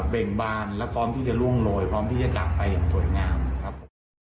เบ่งบานและพร้อมที่จะล่วงโรยพร้อมที่จะจากไปอย่างสวยงามครับ